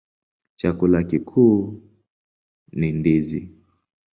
Chakula kikuu ni ndizi.